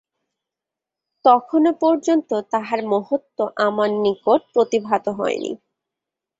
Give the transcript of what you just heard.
তখনও পর্যন্ত তাঁহার মহত্ত্ব আমার নিকট প্রতিভাত হয় নাই।